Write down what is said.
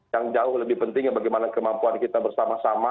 yang jauh lebih penting bagaimana kemampuan kita bersama sama